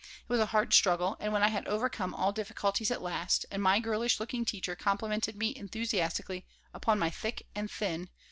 It was a hard struggle, and when I had overcome all difficulties at last, and my girlish looking teacher complimented me enthusiastically upon my 'thick" and "thin."